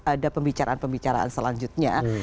ada pembicaraan pembicaraan selanjutnya